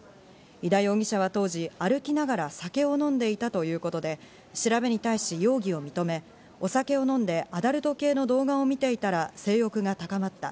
井田容疑者は当時、歩きながら酒を飲んでいたということで、調べに対し容疑を認め、お酒を飲んでアダルト系の動画を見ていたら性欲が高まった。